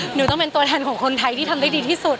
หนูต้องเป็นตัวแทนของคนไทยที่ทำได้ดีที่สุด